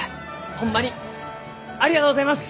ホンマにありがとうございます！